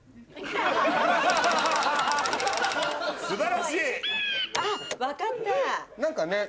素晴らしい！あっ分かった！